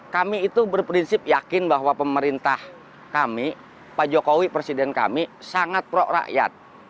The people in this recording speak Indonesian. kami itu berprinsip yakin bahwa pemerintah kami pak jokowi presiden kami sangat pro rakyat